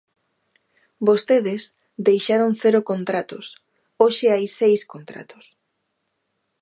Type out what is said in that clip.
Vostedes deixaron cero contratos, hoxe hai seis contratos.